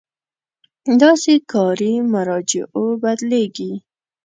داسې کاري مراجعو بدلېږي.